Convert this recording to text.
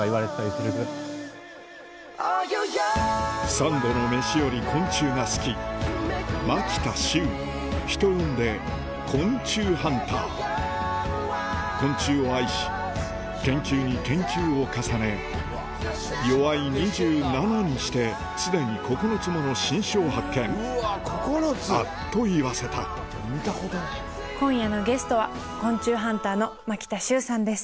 三度の飯より昆虫が好き人呼んで昆虫ハンター昆虫を愛し研究に研究を重ね齢２７にして既に９つもの新種を発見あっと言わせた今夜のゲストは昆虫ハンターの牧田習さんです。